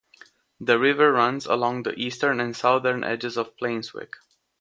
The river runs along the eastern and southern edges of Painswick.